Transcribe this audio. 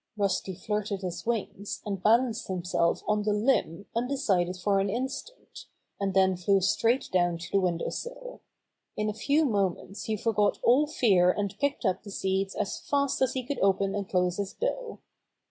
Rusty flirted his wings, and balanced him self on the limb undecided for an instant, and then flew straight down to the window sill. In a few moments he forgot all fear and picked up the seeds as fast as he could open and close his bill.